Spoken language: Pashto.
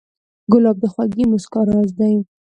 ګلاب د خوږې موسکا راز دی.